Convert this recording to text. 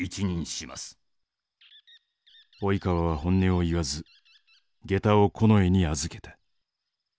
及川は本音を言わず下駄を近衛に預けた。